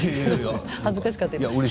恥ずかしかった今。